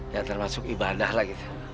ya termasuk ibadah lah gitu